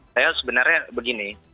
saya sebenarnya begini